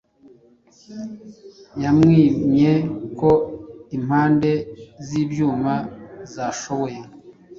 yamwimye ko impande zibyuma zashoboye